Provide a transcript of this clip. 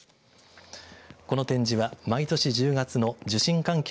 この展示は毎年１０月の受信環境